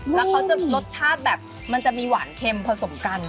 แล้วเขาจะรสชาติแบบมันจะมีหวานเค็มผสมกัน